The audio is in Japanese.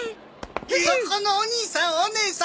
そこのおにいさんおねえさん！